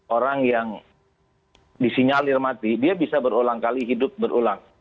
orang yang disinyalir mati dia bisa berulang kali hidup berulang